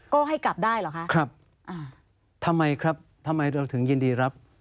ก็ให้กลับได้เหรอคะครับอ่าทำไมครับทำไมเราถึงยินดีรับ